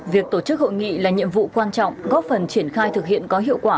việc tổ chức hội nghị là nhiệm vụ quan trọng góp phần triển khai thực hiện có hiệu quả